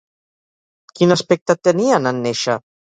Quin aspecte tenien en néixer?